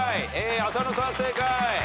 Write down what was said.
浅野さん正解。